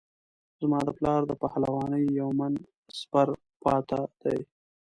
زما د پلار د پهلوانۍ یو من سپر پاته دی.